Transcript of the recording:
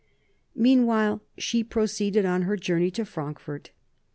Meanwhile she proceeded on her journey to Frankfort.